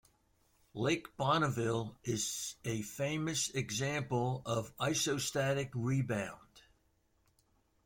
Lake Bonneville is a famous example of isostatic rebound.